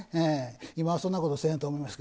今はそんなことせんと思います。